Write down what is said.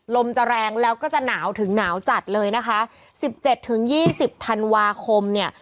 ลมจะแรงแล้วก็จะหนาวถึงหนาวจัดเลยนะคะสิบเจ็ดถึงยี่สิบธันวาคมเนี่ย